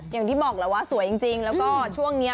อย่างที่บอกละว่าสวยจริงจริงช่วงนี้